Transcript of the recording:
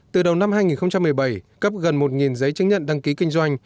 từ đầu năm hai nghìn một mươi bảy cấp gần một giấy chứng nhận đăng ký kinh doanh